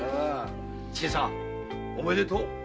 千勢さんおめでとう。